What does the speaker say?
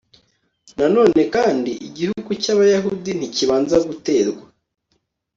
na none kandi, igihugu cy'abayahudi nikibanza guterwa